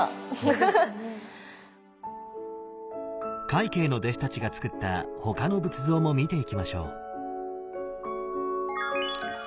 快慶の弟子たちがつくった他の仏像も見ていきましょう。